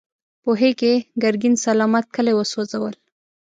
پوهېږې، ګرګين سلامت کلي وسوځول.